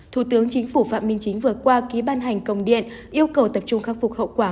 thủ tướng chính phủ phạm minh chính vừa qua ký ban hành công điện yêu cầu tập trung khắc phục hậu quả